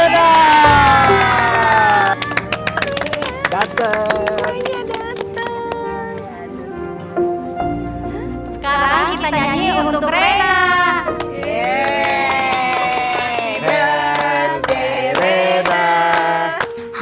diupi mini dia diupi nending